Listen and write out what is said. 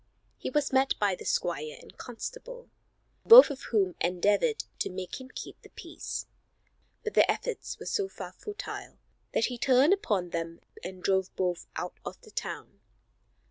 He was met by the squire and constable, both of whom endeavored to make him keep the peace, but their efforts were so far futile that he turned upon them and drove both out of the town.